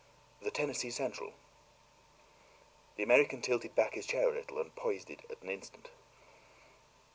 "The Tennessee Central." The American tilted back his chair a little and poised it an instant.